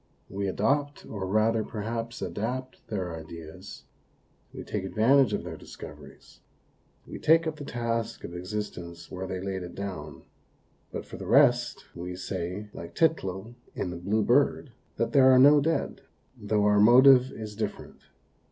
We adopt, or rather, per haps, adapt, their ideas ; we take advantage of their discoveries ; we take up the task of existence where they laid it down ; but for the rest we say, like Tyltyl in the " Blue Bird," that there are no dead, though our motive is different.